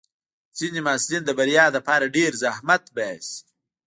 ځینې محصلین د بریا لپاره ډېر زحمت باسي.